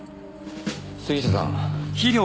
杉下さん